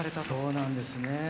そうなんですね。